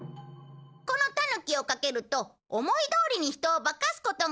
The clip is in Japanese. このタヌ機をかけると思いどおりに人を化かすことができるんだ。